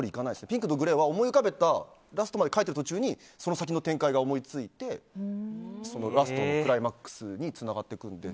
「ピンクとグレー」は思い浮かべたラストまで書いてる途中にその先の展開ラストのクライマックスにつながってくるので。